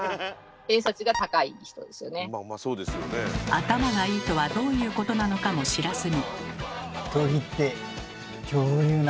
頭がいいとはどういうことなのかも知らずに。